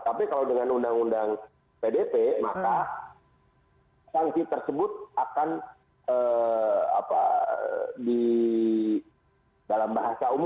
tapi kalau dengan undang undang pdp maka sanksi tersebut akan di dalam bahasa umum